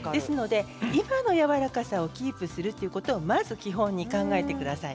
今のやわらかさをキープするということを基本に考えてください。